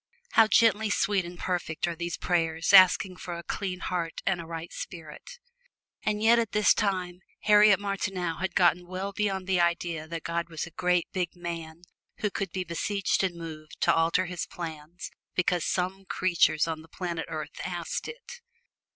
How gently sweet and perfect are these prayers asking for a clean heart and a right spirit! And yet at this time Harriet Martineau had gotten well beyond the idea that God was a great, big man who could be beseeched and moved to alter His plans because some creature on the planet Earth asked it.